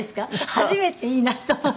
初めていいなと思った。